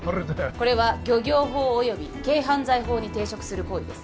これは漁業法および軽犯罪法に抵触する行為です